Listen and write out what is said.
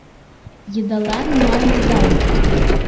— Йыдалан манын ида ончо.